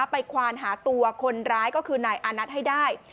ควานหาตัวคนร้ายก็คือนายอานัทให้ได้